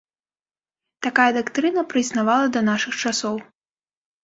Такая дактрына праіснавала да нашых часоў.